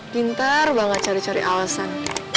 pintar banget cari cari alasan